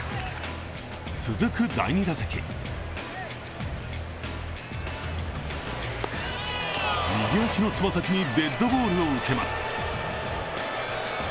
続く第２打席右足の爪先にデッドボールを受けます。